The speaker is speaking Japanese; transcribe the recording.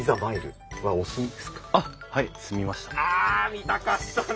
見たかったな！